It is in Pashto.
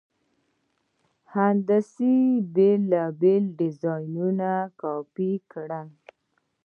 هندسي بېل بېل ډیزاینونه کاپي کړئ.